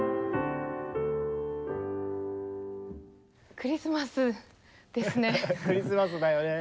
クリスマスだよね。